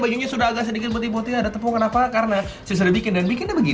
bayunya sudah sedikit butir butir ada tepung kenapa karena sudah bikin dan bikin begini